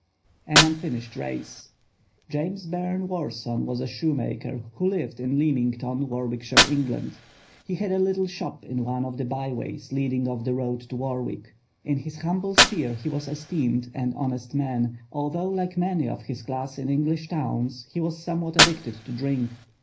AN UNFINISHED RACE JAMES BURNE WORSON was a shoemaker who lived in Leamington, Warwickshire, England. He had a little shop in one of the by ways leading off the road to Warwick. In his humble sphere he was esteemed an honest man, although like many of his class in English towns he was somewhat addicted to drink.